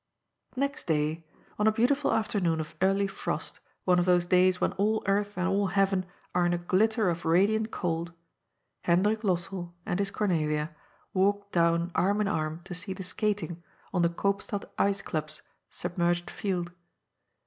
Next day — on a beautiful afternoon of early frost, one of those days when all earth and all heaven are in a glitter of radiant cold — Hendrik Lossell and his Cornelia walked down arm in arm to see the skating on the " Koopstad Ice Club's" submerged field.